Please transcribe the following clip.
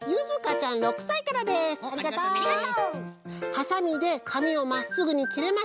「はさみでかみをまっすぐにきれません。